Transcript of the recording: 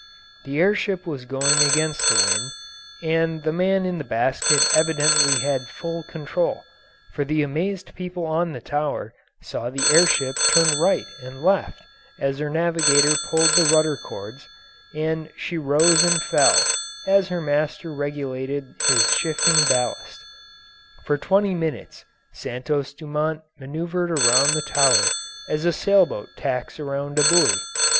The air ship was going against the wind, and the man in the basket evidently had full control, for the amazed people on the tower saw the air ship turn right and left as her navigator pulled the rudder cords, and she rose and fell as her master regulated his shifting ballast. For twenty minutes Santos Dumont maneuvered around the tower as a sailboat tacks around a buoy.